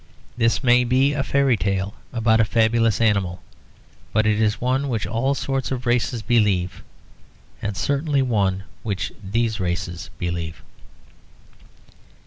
This may be a fairy tale about a fabulous animal; but it is one which all sorts of races believe, and certainly one which these races believe.